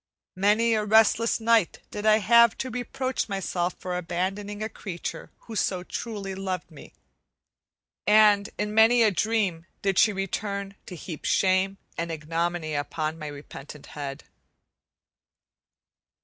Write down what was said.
Many a restless night did I have to reproach myself for abandoning a creature who so truly loved me; and in many a dream did she return to heap shame and ignominy upon my repentant head.